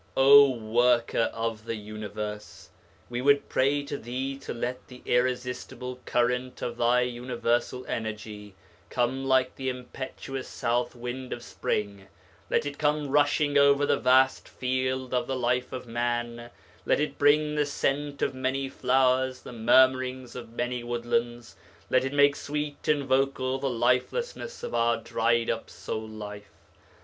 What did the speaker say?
O worker of the universe! We would pray to thee to let the irresistible current of thy universal energy come like the impetuous south wind of spring, let it come rushing over the vast field of the life of man, let it bring the scent of many flowers, the murmurings of many woodlands, let it make sweet and vocal the lifelessness of our dried up soul life.